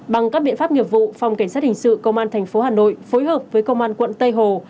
bằng các biện pháp nghiệp vụ phòng cảnh sát hình sự công an tp hà nội phối hợp với công an quận tây hồ